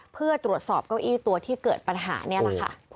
เพื่อตรวจสอบเก้าอี้ตัวที่เกิดปัญหานี่แหละค่ะ